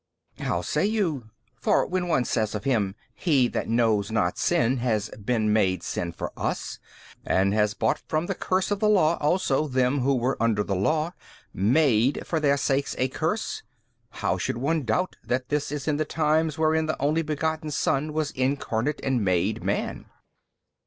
B. How say you? for when one says of Him, He that knows not sin has BEEN MADE sin for us, and has bought from the curse of the law also them who were under the law, MADE for their sakes a curse, how should one doubt that this is in the times wherein the Only Begotten was Incarnate and MADE man?